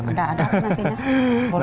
nggak ada nasinya